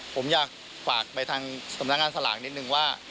ผมอยากฝากไปทางสำนักงานสลากนิดนึงว่า